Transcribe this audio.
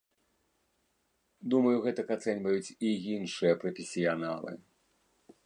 Думаю, гэтак ацэньваюць і іншыя прафесіяналы.